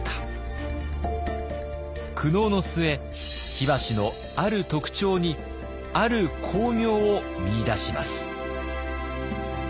苦悩の末火箸のある特徴にある光明を見いだします。